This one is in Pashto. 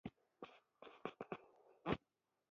له غلو او داړه مارانو څخه کار اخلي.